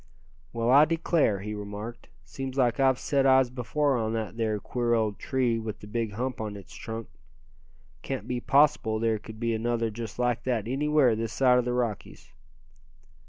"Well, I declare," he remarked, "seems like I've set eyes before on that there queer old tree with the big hump on its trunk. Can't be possible there could be another just like that anywhere this side the Rockies."